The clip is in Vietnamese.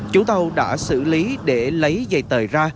chủ tàu đã xử lý để lấy dây tời ra